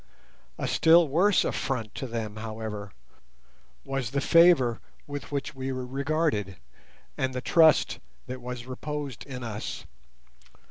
A still worse affront to them, however, was the favour with which we were regarded, and the trust that was reposed in us.